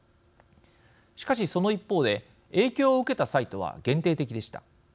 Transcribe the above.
しかし、その一方で影響を受けたサイトは限定的でした。